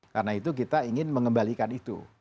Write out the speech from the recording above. karena itu kita ingin mengembalikan itu